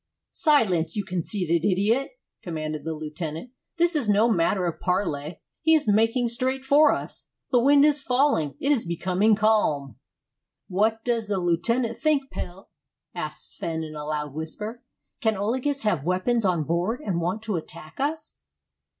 "Silence, you conceited idiot!" commanded the lieutenant; "this is no matter of parley. He is making straight for us. The wind is falling; it is becoming calm." "What does the lieutenant think, Pelle?" asked Sven, in a loud whisper. "Can Olagus have weapons on board and want to attack us?"